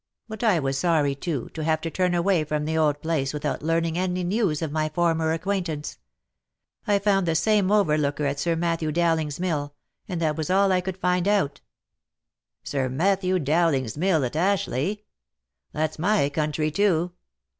But I was sorry, too, to have to turn away from the old place without learn ing any news of my former acquaintance. I found the same over looker at Sir Matthew Dowling's mill, and that was all I could find out." " Sir Matthew Dowling's mill at Ashleigh ? that's my country, too.